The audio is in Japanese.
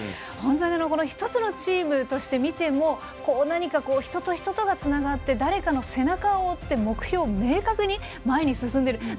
本当に１つのチームとして見ても何か、人と人とがつながって誰かの背中を追って目標を明確に前に進んでいる。